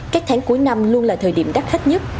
các tháng cuối năm luôn là thời điểm đắt khách nhất